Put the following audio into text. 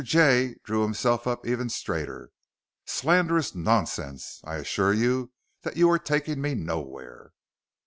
Jay drew himself up even straighter. "Slanderous nonsense! I assure you that you are taking me nowhere."